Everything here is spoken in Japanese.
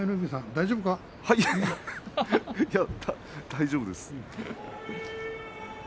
大丈夫です。